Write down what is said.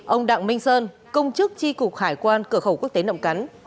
ông đặng minh sơn công chức tri cục hải quan cửa khẩu quốc tế nậm cắn